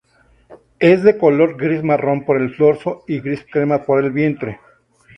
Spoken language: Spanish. Es de color gris marrón por el dorso y gris crema por el vientre.